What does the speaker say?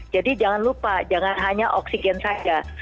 jadi jangan lupa jangan hanya oksigen saja